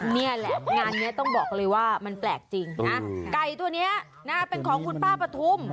นี่แหละงานนี้ต้องบอกเลยว่ามันแปลกจริงนะไก่ตัวนี้เป็นของคุณป้าปฐุม